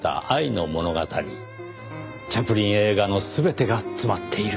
チャップリン映画の全てが詰まっている。